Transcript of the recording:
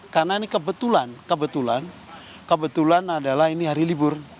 karena ini kebetulan kebetulan adalah ini hari libur